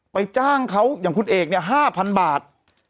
จ้างเขาอย่างคุณเอกเนี่ย๕๐๐บาท